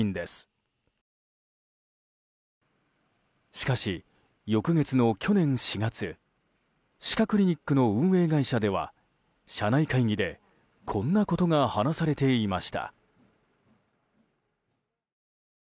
しかし、翌月の去年４月歯科クリニックの運営会社では社内会議でこんなことが話されていました。